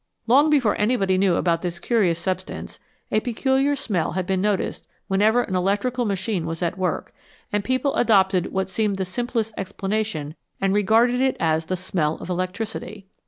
Long before anybody knew about this curious substance, a peculiar smell had been noticed whenever an electrical machine was at work, and people adopted what seemed the simplest explanation and regarded it as the " smell of electricity."